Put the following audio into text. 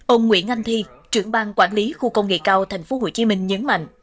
ông nguyễn anh thi trưởng bang quản lý khu công nghệ cao tp hcm nhấn mạnh